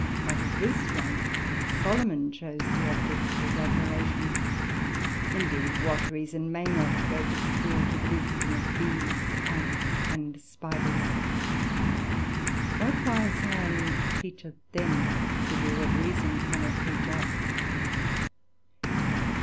Out of this rank Solomon chose the object of his admiration; indeed what reason may not go to School to the wisdom of Bees, Ants, and Spiders? what wise hand teacheth them to do what reason cannot teach us?